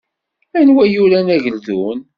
Anwa i yuran Ageldun?